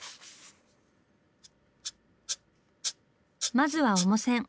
まずは主線。